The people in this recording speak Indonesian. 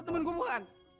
lo temen gue bukan